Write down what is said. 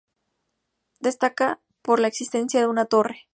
Destaca por la existencia de una torre.